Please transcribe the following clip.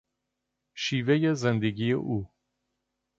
شیوهی زندگی او